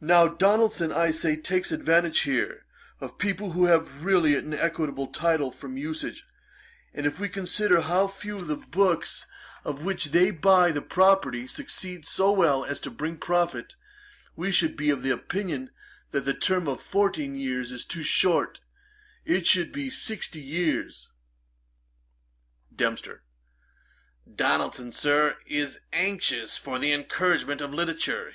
Now Donaldson, I say, takes advantage here, of people who have really an equitable title from usage; and if we consider how few of the books, of which they buy the property, succeed so well as to bring profit, we should be of opinion that the term of fourteen years is too short; it should be sixty years.' DEMPSTER. 'Donaldson, Sir, is anxious for the encouragement of literature.